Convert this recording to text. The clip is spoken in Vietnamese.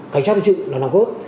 cảnh sát thị trực là nằm góp